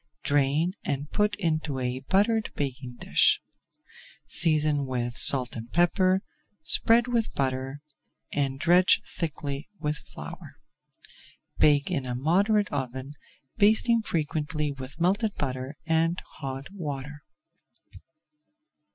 Drain and put into a buttered baking dish. Season with salt and pepper, spread with butter, and dredge thickly with flour. Bake in a moderate oven, basting frequently with melted butter and hot water.